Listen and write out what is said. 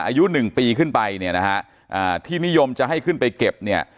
อายุหนึ่งปีขึ้นไปเนี่ยนะฮะอ่าที่นิยมจะให้ขึ้นไปเก็บเนี่ย